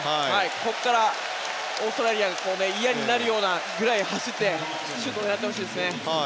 ここからオーストラリアが嫌になるぐらい走ってシュートを狙ってほしいですね。